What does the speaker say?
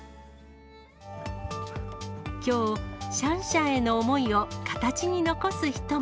きょう、シャンシャンへの思いを形に残す人も。